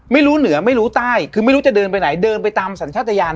เหนือไม่รู้ใต้คือไม่รู้จะเดินไปไหนเดินไปตามสัญชาติยาน